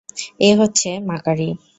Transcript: এ হচ্ছে মাকারি।